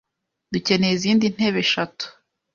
Dukeneye izindi ntebe eshatu.